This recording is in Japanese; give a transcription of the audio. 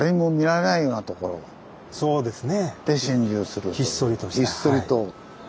そうですね。